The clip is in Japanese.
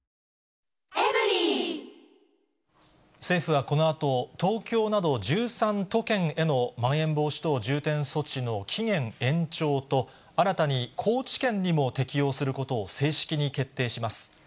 政府はこのあと、東京など１３都県へのまん延防止等重点措置の期限延長と、新たに高知県にも適用することを正式に決定します。